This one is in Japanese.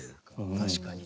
確かに。